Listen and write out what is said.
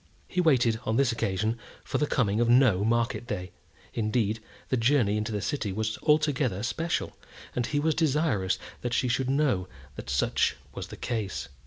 He waited, on this occasion, for the coming of no market day; indeed, the journey into the city was altogether special, and he was desirous that she should know that such was the case.